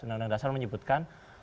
undang undang dasar menyebutkan